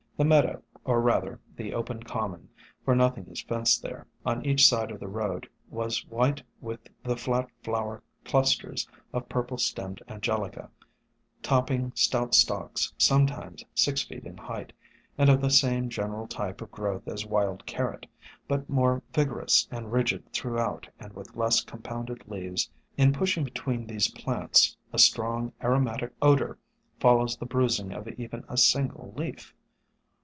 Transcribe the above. The meadow, or, rather, the open common, for nothing is fenced there, on each side of the road was white with the flat flower clusters of Purple 144 SOME HUMBLE ORCHIDS stemmed Angelica, topping stout stalks sometimes six feet in height, and of the same general type of growth as Wild Carrot, but more vigorous and rigid throughout and with less compounded leaves. In pushing between these plants, a strong aromatic odor follows the bruising of even a single leaf.